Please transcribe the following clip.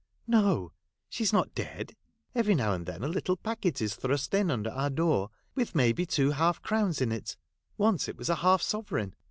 ' No ! she 's not dead. Every now and then a little packet is thrust in under our door, with may be two half crowns in it ; once it was half a sovereign.